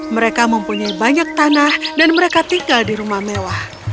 mereka mempunyai banyak tanah dan mereka tinggal di rumah mewah